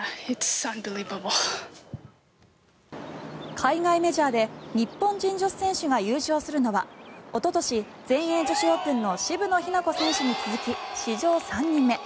海外メジャーで日本人女子選手が優勝するのはおととし、全英女子オープンの渋野日向子選手に続き史上３人目。